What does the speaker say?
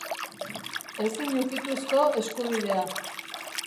Ezin ukituzko eskubidea